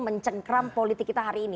mencengkram politik kita hari ini